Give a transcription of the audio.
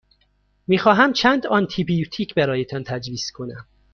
می خواهمم چند آنتی بیوتیک برایتان تجویز کنم.